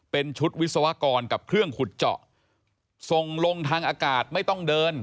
เป็นชุดวิศวกรกับเครื่องขุดเจาะส่งลงทางอากาศไม่ต้องเดิน